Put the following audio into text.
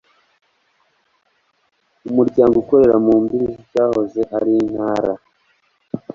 Umuryango ukorera mu mbibi z icyahoze ari Intara